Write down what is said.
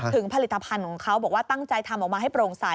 ผลิตภัณฑ์ของเขาบอกว่าตั้งใจทำออกมาให้โปร่งใส